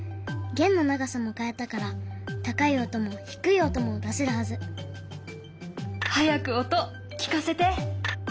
弦の長さもかえたから高い音も低い音も出せるはず。早く音聞かせて。